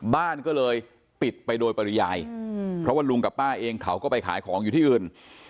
บ้านก็เลยปิดไปโดยปริยายเพราะว่าลุงกับป้าเองเขาก็ไปขายของอยู่ที่อื่น